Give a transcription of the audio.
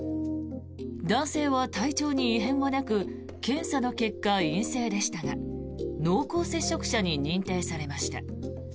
男性は体調に異変はなく検査の結果は陰性でしたが濃厚接触者に認定されました。